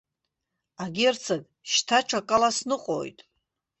Агерцог, шьҭа ҽакала сныҟәоит.